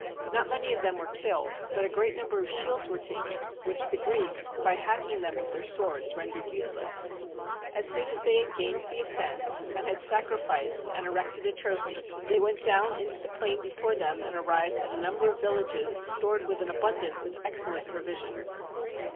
Not many of them were killed, but a great number of shields were taken, which the Greeks, by hacking them with their swords, rendered useless. As soon as they had gained the ascent, and had sacrificed and erected a trophy, they went down into the plain before them, and arrived at a number of villages stored with abundance of excellent provisions.